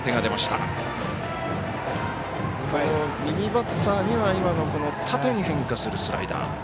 右バッターには今の縦に変化するスライダー。